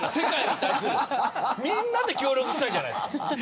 みんなで協力したいじゃないですか。